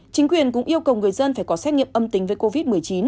chính quyền cũng yêu cầu người dân phải có xét nghiệm âm tính với covid một mươi chín